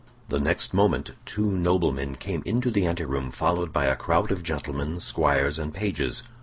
The next moment two noblemen came into the anteroom followed by a crowd of gentlemen, squires, and pages.